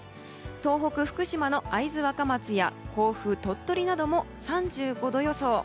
東北・福島の会津若松や甲府鳥取なども３５度予想。